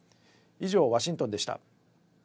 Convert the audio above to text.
以上、ワシントンでした。